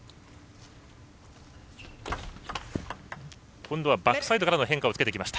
今度はバックサイドからの変化をつけてきました。